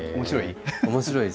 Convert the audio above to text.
面白い？